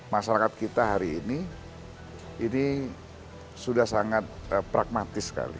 masyarakat kita hari ini ini sudah sangat pragmatis sekali